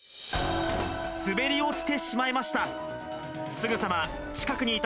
滑り落ちてしまいました。